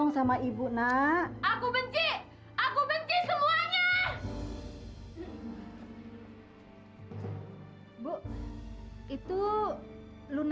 sampai jumpa di video selanjutnya